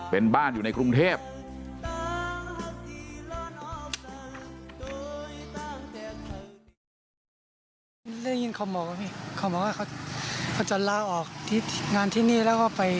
เป็นบ้านอยู่ในกรุงเทพ